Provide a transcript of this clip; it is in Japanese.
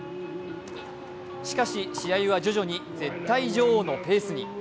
しかし試合は徐々に絶対女王のペースに。